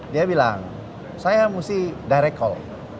dia bilang saya mesti direct call